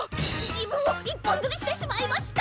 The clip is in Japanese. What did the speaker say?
自分を一本づりしてしまいました。